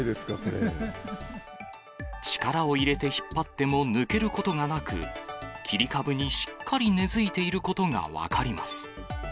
力を入れて引っ張っても抜けることがなく、切り株にしっかり根づいていることが分かります。